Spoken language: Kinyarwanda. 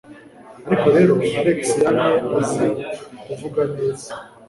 Ariko rero, Alex yamye azi kuvuga neza.